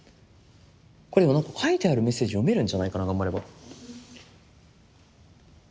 これ書いてあるメッセージ読めるんじゃないかな頑張れば。